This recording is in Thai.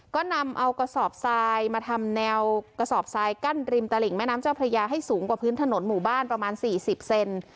ก็นำเอากระสอบทรายมาทำแนวกระสอบทรายกั้นริมตลิ่งแม่น้ำเจ้าพระยาให้สูงกว่าพื้นถนนหมู่บ้านประมาณ๔๐เซน